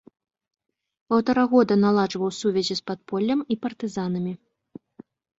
Паўтара года наладжваў сувязі з падполлем і партызанамі.